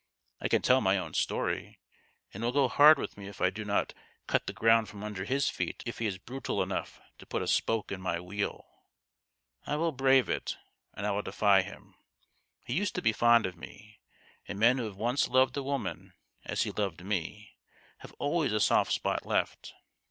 I can tell my own story, and it will go hard with me if I do not cut the ground from under his feet if he is brutal 174 THE GHOST OF THE PAST. enough to put a spoke in my wheel. I will brave it, and I will defy him. He used to be fond of me ; and men who have once loved a woman as he loved me have always a soft spot left.